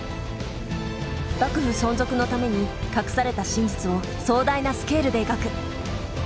幕府存続のために隠された真実を壮大なスケールで描く。